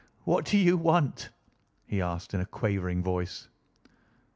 What do you want?" he asked in a quavering voice.